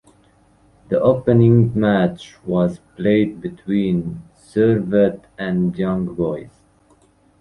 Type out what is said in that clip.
The opening match was played between Servette and Young Boys.